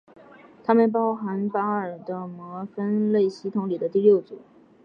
它们包含巴尔的摩分类系统里的第六组。